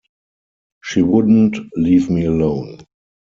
She wouldn't leave me alone.